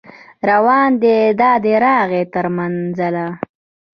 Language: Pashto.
راروان دی دا دی راغی تر منزله